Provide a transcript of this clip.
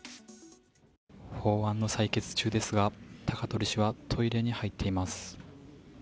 法案の採決中ですが、高鳥氏はトイレに入っています。